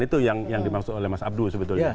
itu yang dimaksud oleh mas abdul sebetulnya